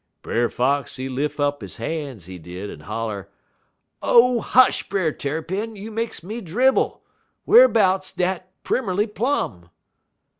_' "Brer Fox, he lif' up he han's, he did, en holler: "'Oh, hush, Brer Tarrypin! you makes me dribble! Whar'bouts dat Pimmerly Plum?'